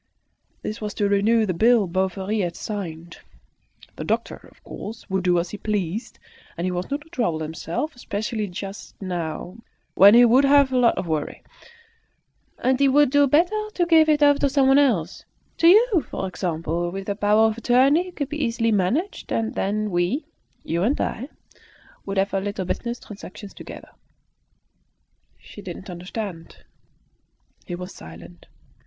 This was to renew the bill Bovary had signed. The doctor, of course, would do as he pleased; he was not to trouble himself, especially just now, when he would have a lot of worry. "And he would do better to give it over to someone else to you, for example. With a power of attorney it could be easily managed, and then we (you and I) would have our little business transactions together." She did not understand. He was silent.